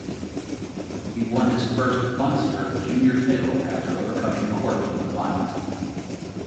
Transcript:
He won his first Munster Junior title after overcoming Cork in the final.